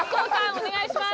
お願いします。